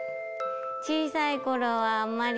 小さい頃はあまり